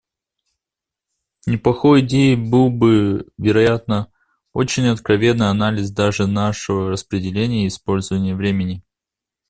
Неплохой идеей был бы, вероятно, очень откровенный анализ даже нашего распределения и использования времени.